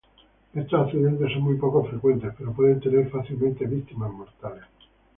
Estos accidentes son muy poco frecuentes, pero pueden tener fácilmente víctimas mortales.